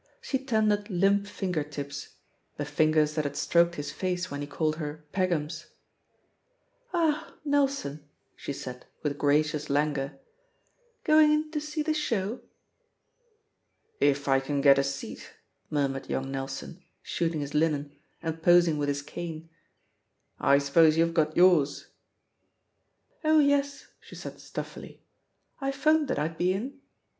She ten dered limp finger tips — ^the fingers that had stroked his face when he called her "Peggums.'* "Ah, Nelson I" she said, with gracious languor} "going in to see the show?'* "If I can get a seat,'* murmured young Nel son, shooting his linen, and posing with his cane. "I suppose youVe got yours?" "Oh yes," she said stuffily, "I 'phoned that I'd be in."